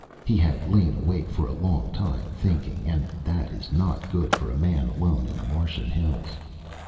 He had lain awake for a long time, thinking, and that is not good for a man alone in the Martian hills.